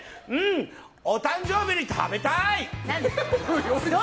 お誕生日に食べたい！